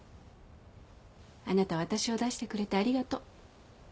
あなた私を出してくれてありがと。